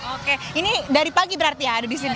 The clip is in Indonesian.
oke ini dari pagi berarti ya ada di sini